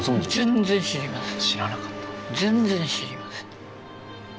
全然知りません。